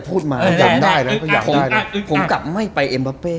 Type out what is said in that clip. ผมกลับไม่ไปเอ็มบาเป